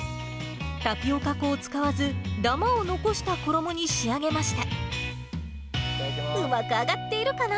タピオカ粉を使わず、だまを残した衣に仕上げました。